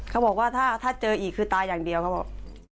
เขาบอกว่าถ้าเจออีกคือตายอย่างเดียวเขาบอก